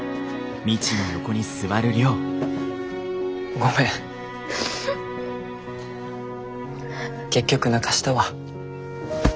ごめん結局泣かしたわ。